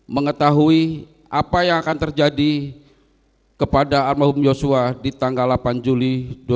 mengetahui apa yang akan terjadi kepada almarhum yosua di tanggal delapan juli dua ribu dua puluh